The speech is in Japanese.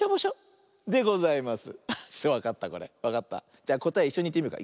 じゃこたえいっしょにいってみようか。